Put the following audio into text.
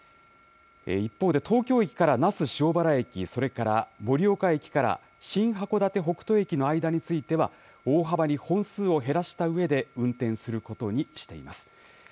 一方で東京駅から那須塩原駅、それから盛岡駅から新函館北斗駅の間については大幅に本数を減らしたうえで運転することにしています。